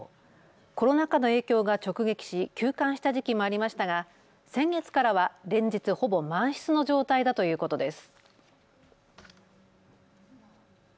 コロナ禍の影響が直撃し休館した時期もありましたが先月からは連日ほぼ満室の状態だということです。